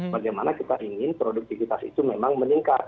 bagaimana kita ingin produktivitas itu memang meningkat